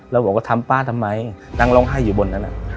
แล้วบอกว่าทำป้าทำไมนั่งร้องไห้อยู่บนนั้น